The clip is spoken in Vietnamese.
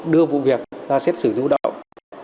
đưa vụ việc ra xét xử nhu động